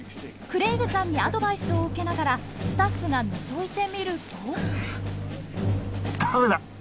クレイグさんにアドバイスを受けながらスタッフがのぞいてみると。